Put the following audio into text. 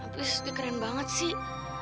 hampir sedih keren banget sih